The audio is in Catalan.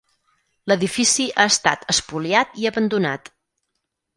L'edifici ha estat espoliat i abandonat.